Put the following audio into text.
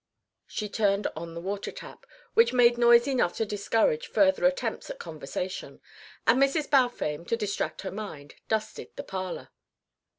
She turned on the water tap, which made noise enough to discourage further attempts at conversation; and Mrs. Balfame, to distract her mind, dusted the parlour.